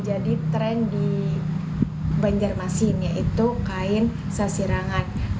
kain yang terkenal di banjarmasin adalah sasirangan